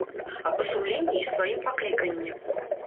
А па сумленні і сваім пакліканні.